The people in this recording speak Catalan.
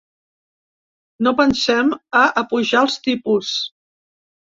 No pensem a apujar els tipus.